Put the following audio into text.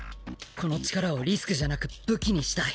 この力をリスクじゃなく武器にしたい。